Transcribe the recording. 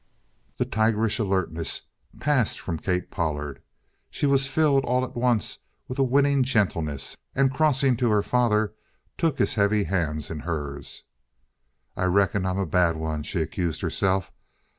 The tigerish alertness passed from Kate Pollard. She was filled all at once with a winning gentleness and, crossing to her father, took his heavy hands in hers. "I reckon I'm a bad one," she accused herself.